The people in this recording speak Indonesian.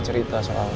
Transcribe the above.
jadi ya saya paham